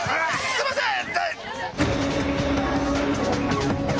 すいません！！